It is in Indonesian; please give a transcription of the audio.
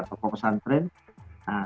tokoh pesantren nah